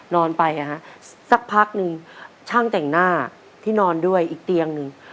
นอนไปสักพักหนึ่งช่างแต่งหน้าที่นอนด้วยอีกเตียงหนึ่ง